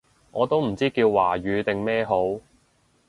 我都唔知叫華語定咩好